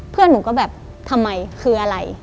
เพื่อนหนูก็แบบทำไมคืออะไร